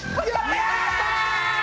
やったー！